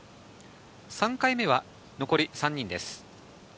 ３回目は残り３人です。